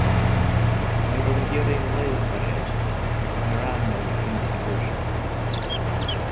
Ní raibh mé ag iarraidh aon mhoill a chur air agus níor fhan mé le cruinniú den Ghluaiseacht.